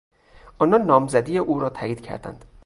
آنان نامزدی او را تایید کردند.